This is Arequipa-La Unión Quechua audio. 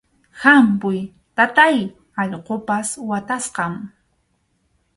¡Hampuy, taytáy, allqupas watasqam!